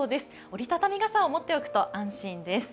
折り畳み傘を持っておくと安心です。